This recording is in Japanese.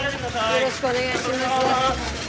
よろしくお願いします。